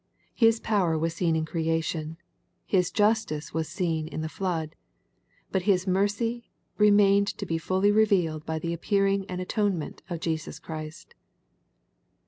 His power was seen in creation. His justice was seen in the flood. But His mercy remained to be fully revealed by the appearing and atonement of Jesus Christ.